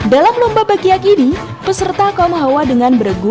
dalam lomba bakiak ini peserta kaum hawa dengan beregu